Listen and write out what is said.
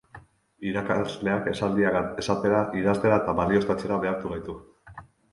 Irakasleak esaldiak esatera, idaztera eta balioztatzera behartu gaitu.